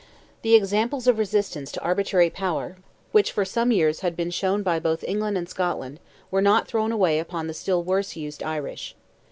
The examples of resistance to arbitrary power, which for some years had been shown by both England and Scotland, were not thrown away upon the still worse used Irish.